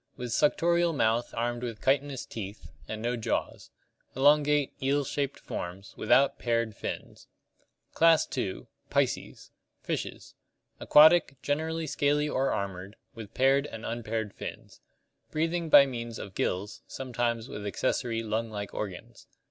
With suctorial mouth armed with chitinous tzeth, and no jaws. Elongate, eel shaped forms, without paired fins. Class II. Pisces (Lat. piscis, fish). Fishes. Aquatic, generally scaly or armored, with paired and unpaired fins. Breathing by means of gills, sometimes with accessory lung like organs.